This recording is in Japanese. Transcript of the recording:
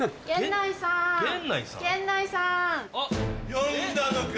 呼んだのか。